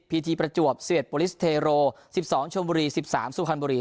ีทีประจวบ๑๑โปรลิสเทโร๑๒ชมบุรี๑๓สุพรรณบุรี